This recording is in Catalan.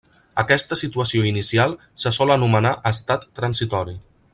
Aquesta situació inicial se sol anomenar estat transitori.